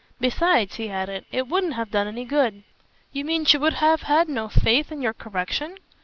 Besides," he added, "it wouldn't have done any good." "You mean she would have had no faith in your correction?"